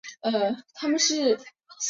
沈静的夜里他深深的叹息